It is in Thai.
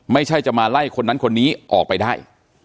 ไม่ใช่จะมาไล่คนนั้นคนนี้ออกไปได้